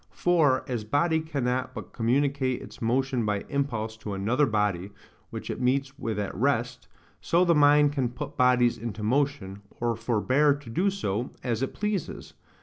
For, as body cannot but communicate its motion by impulse to another body, which it meets with at rest, so the mind can put bodies into motion, or forbear to do so, as it pleases.